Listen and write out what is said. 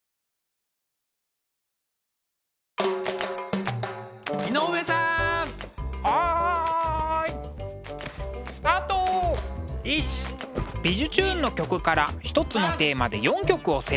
「びじゅチューン！」の曲から一つのテーマで４曲をセレクト。